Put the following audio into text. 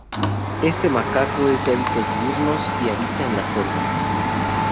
Este macaco es de hábitos diurnos y habita en la selva.